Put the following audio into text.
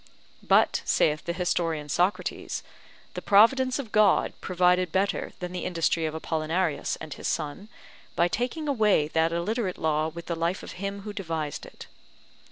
But, saith the historian Socrates, the providence of God provided better than the industry of Apollinarius and his son, by taking away that illiterate law with the life of him who devised it.